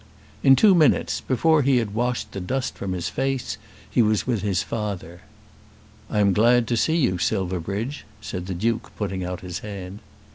In two minutes, before he had washed the dust from his face and hands, he was with his father. "I am glad to see you, Silverbridge," said the Duke, putting out his hand.